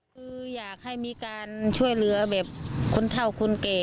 คืออยากให้มีการช่วยเหลือแบบคนเท่าคนแก่